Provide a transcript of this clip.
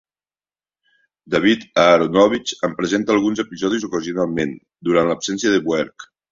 David Aaronovitch en presenta alguns episodis ocasionalment, durant l'absència de Buerk.